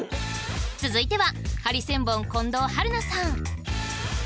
続いてはハリセンボン近藤春菜さん